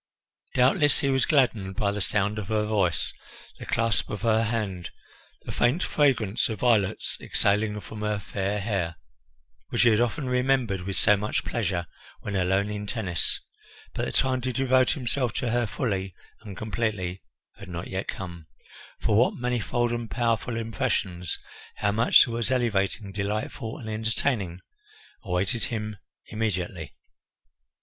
Doubtless he was gladdened by the sound of her voice, the clasp of her hand, the faint fragrance of violets exhaling from her fair hair, which he had often remembered with so much pleasure when alone in Tennis; but the time to devote himself to her fully and completely had not yet come, for what manifold and powerful impressions, how much that was elevating, delightful, and entertaining awaited him immediately!